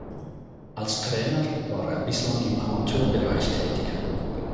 Als Trainer war er bislang im Amateurbereich tätig.